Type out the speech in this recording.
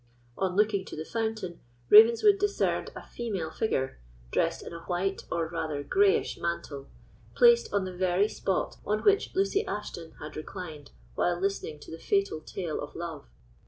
On looking to the fountain, Ravenswood discerned a female figure, dressed in a white, or rather greyish, mantle, placed on the very spot on which Lucy Ashton had reclined while listening to the fatal tale of love.